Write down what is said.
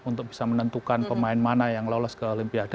untuk bisa menentukan pemain mana yang lolos ke olimpiade